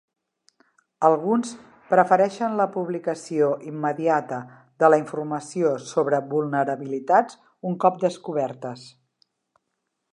Alguns prefereixen la publicació immediata de la informació sobre vulnerabilitats un cop descobertes.